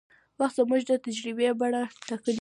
وخت زموږ د تجربې بڼه ټاکي.